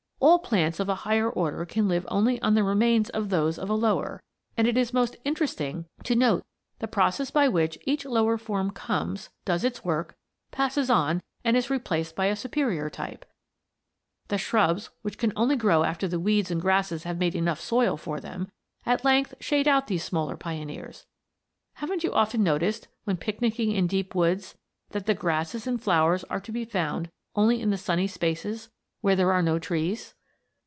All plants of a higher order can live only on the remains of those of a lower, and it is most interesting to note the process by which each lower form comes, does its work, passes on, and is replaced by a superior type. The shrubs, which can only grow after the weeds and grasses have made enough soil for them, at length shade out these smaller pioneers. Haven't you often noticed, when picnicing in deep woods, that the grasses and flowers are to be found only in the sunny spaces, where there are no trees?